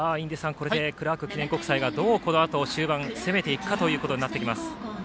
これでクラーク記念国際が終盤、攻めていくかということになっていきます。